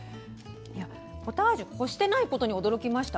ポタージュこしてないことに驚きました。